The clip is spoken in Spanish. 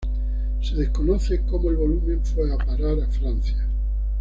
Se desconoce cómo el volumen fue a parar a Francia.